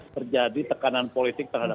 terjadi tekanan politik terhadap